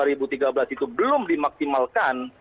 itu belum dimaksimalkan